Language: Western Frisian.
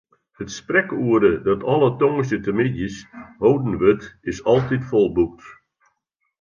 It sprekoere, dat alle tongersdeitemiddeis holden wurdt, is altyd folboekt.